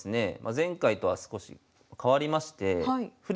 前回とは少し変わりまして振り